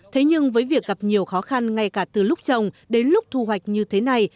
thế nhưng với việc gặp nhiều khó khăn ngay cả từ lúc trồng đến lúc thu hoạch như thế này